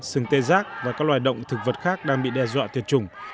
sừng tê giác và các loài động thực vật khác đang bị đe dọa tuyệt chủng